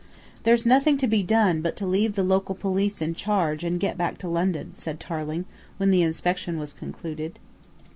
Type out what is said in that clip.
"There's nothing to be done but to leave the local police in charge and get back to London," said Tarling when the inspection was concluded.